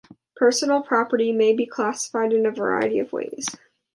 Personal property may be classified in a variety of ways.